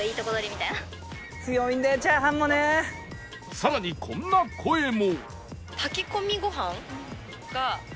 さらにこんな声も